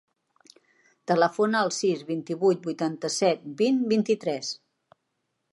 Telefona al sis, vint-i-vuit, vuitanta-set, vint, vint-i-tres.